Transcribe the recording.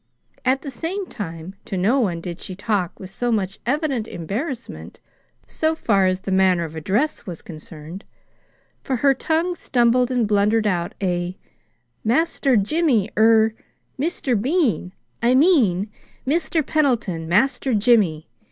At the same time, to no one did she talk with so much evident embarrassment, so far as the manner of address was concerned; for her tongue stumbled and blundered out a "Master Jimmy er Mr. Bean I mean, Mr. Pendleton, Master Jimmy!"